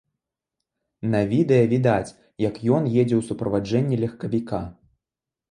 На відэа відаць, як ён едзе ў суправаджэнні легкавіка.